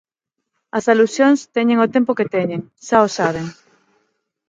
As alusións teñen o tempo que teñen, xa o saben.